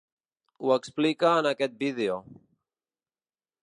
Ho explica en aquest vídeo.